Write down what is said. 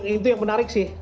itu yang menarik sih